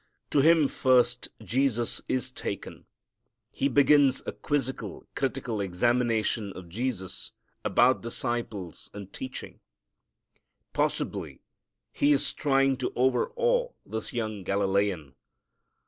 To him first Jesus is taken. He begins a quizzical, critical examination of Jesus about disciples and teaching. Possibly he is trying to overawe this young Galilean.